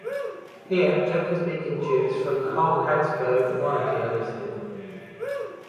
Here German-speaking Jews from the whole Habsburg Monarchy are listed.